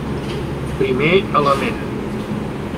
Primer element.